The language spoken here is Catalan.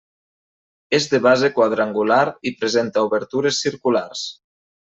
És de base quadrangular i presenta obertures circulars.